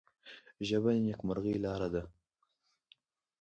ژبه د نیکمرغۍ لاره ده